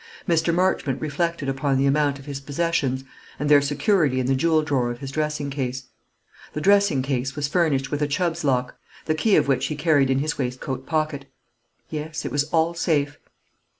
Mr. Marchmont reflected upon the amount of his possessions, and their security in the jewel drawer of his dressing case. The dressing case was furnished with a Chubb's lock, the key of which he carried in his waistcoat pocket. Yes, it was all safe.